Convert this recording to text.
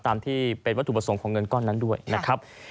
ตามที่เป็นวัตถุประสงค์ของเงินก้อนนั้นด้วยนะครับ